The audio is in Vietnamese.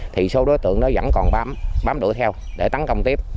thì số đối tượng đó vẫn còn bám đuổi theo để tấn công tiếp